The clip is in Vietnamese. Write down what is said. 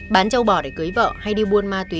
bán châu bò để cưới vợ hay đi buôn ma túy